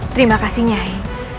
terima kasih nyai